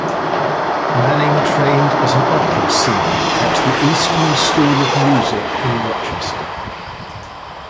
Manning trained as an opera singer at the Eastman School of Music in Rochester.